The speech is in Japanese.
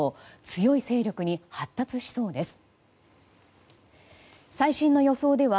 強い勢力に発達しそうです。